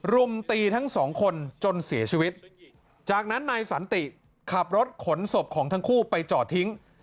รุมตีทั้งสองคนจนเสียชีวิตจากนั้นนายสันติขับรถขนศพของทั้งคู่ไปจอดทิ้ง